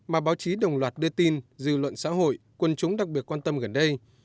mà báo chí đồng loạt đưa tin dư luận xã hội quân chúng đặc biệt quan tâm gần đây